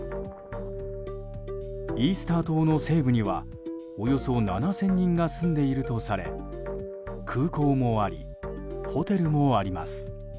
イースター島の西部にはおよそ７０００人が住んでいるとされ空港もあり、ホテルもあります。